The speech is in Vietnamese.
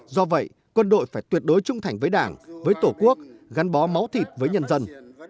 do vậy quân đội phải tuyệt đối trung thành với đảng với tổ quốc gắn bó máu thịt với nhân dân